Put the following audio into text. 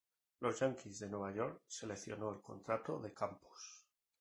Los Yankees de Nueva York seleccionó el contrato de Campos.